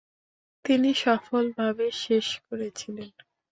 তিনি সফলভাবে শেষ করেছিলেন।